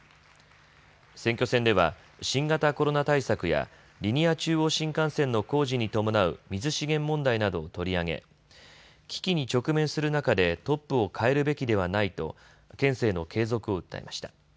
選挙戦では新型コロナ対策やリニア中央新幹線の工事に伴う水資源問題などを取り上げ危機に直面する中でトップを代えるべきではないと県政の継続を訴えました。